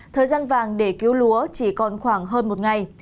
thời gian vàng để cứu lúa chỉ còn khoảng hơn một ngày